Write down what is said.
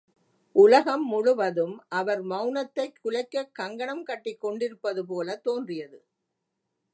உலகம் முழுவதும் அவர் மெளனத்தைக் குலைக்கக் கங்கணம் கட்டிக் கொண்டிருப்பது போலத் தோன்றியது.